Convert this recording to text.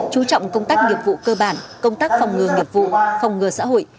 chú trọng công tác nghiệp vụ cơ bản công tác phòng ngừa nghiệp vụ phòng ngừa xã hội